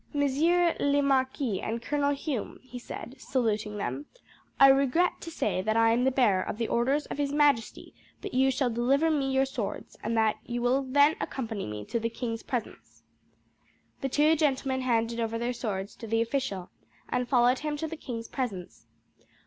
"Monsieur le Marquis and Colonel Hume," he said, saluting them; "I regret to say that I am the bearer of the orders of his majesty that you shall deliver me your swords, and that you will then accompany me to the king's presence." The two gentlemen handed over their swords to the official, and followed him to the king's presence.